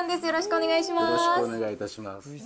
よろしくお願いします。